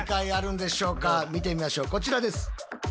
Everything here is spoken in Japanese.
見てみましょうこちらです。